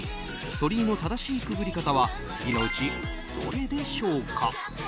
鳥居の正しいくぐり方は次のうちどれでしょうか。